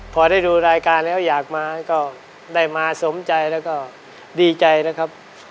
พอได้ดูรายการแล้วอยากมาก็ได้มาสมใจแล้วก็ดีใจนะครับ